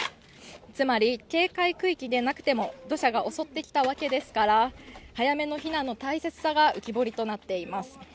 つまり、警戒区域ではなくても土砂が襲ってきたわけですから、早めの避難の大切さが浮き彫りとなっています。